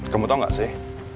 kamu tau gak sih